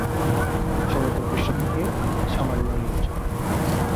এটি সমুদ্র পৃষ্ঠ থেকে সামান্যই উচু।